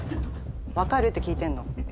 わかる？って聞いてんの。